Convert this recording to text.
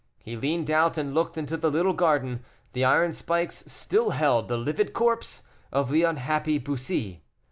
He leaned out and looked into the little garden. The iron spikes still held the livid corpse of the unhappy Bussy.